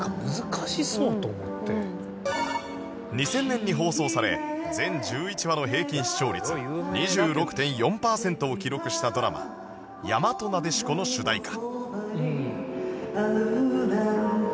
２０００年に放送され全１１話の平均視聴率 ２６．４ パーセントを記録したドラマ『やまとなでしこ』の主題歌